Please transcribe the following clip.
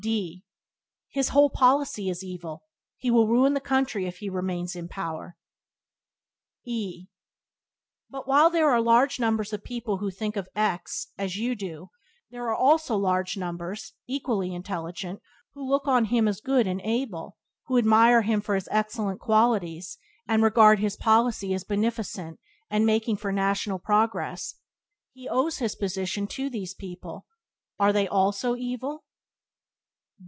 D His whole policy is evil. He will ruin the country if he remains in power. E But while there are large numbers of people who think of X as you do, there are also large numbers, equally intelligent, who look on him as good and able, who admire him for his excellent qualities, and regard his policy as beneficent and making for national progress. He owes his position to these people; are they also evil?